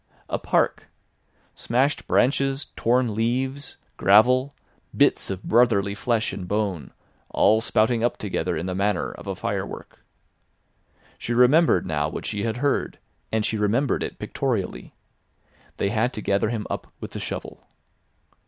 A park—smashed branches, torn leaves, gravel, bits of brotherly flesh and bone, all spouting up together in the manner of a firework. She remembered now what she had heard, and she remembered it pictorially. They had to gather him up with the shovel.